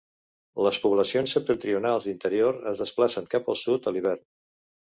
Les poblacions septentrionals d'interior, es desplacen cap al sud a l'hivern.